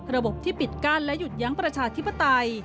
ระบบที่ปิดกั้นและหยุดยั้งประชาธิปไตย